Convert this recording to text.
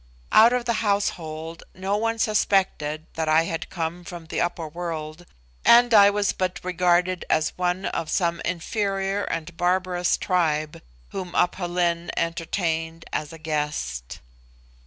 Out of the household no one suspected that I had come from the upper world, and I was but regarded as one of some inferior and barbarous tribe whom Aph Lin entertained as a guest.